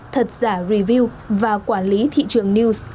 thật giả review và quản lý thị trường news